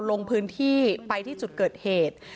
ลงพื้นที่ไปที่จุดเกิดเหตุ